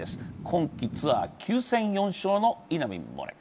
今季ツアー９戦４勝の稲見萌寧。